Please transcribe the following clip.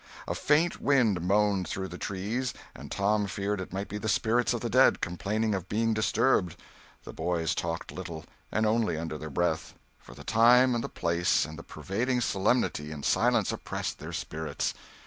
A faint wind moaned through the trees, and Tom feared it might be the spirits of the dead, complaining at being disturbed. The boys talked little, and only under their breath, for the time and the place and the pervading solemnity and silence oppressed their spirits.